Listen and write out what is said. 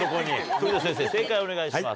それでは先生正解をお願いします。